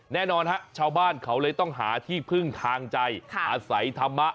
แน่นอนฮะชาวบ้านเขาเลยต้องหาที่พึ่งทางใจอาศัยธรรมะ